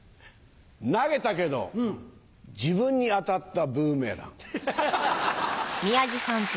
投げたけど自分に当たったブーメラン。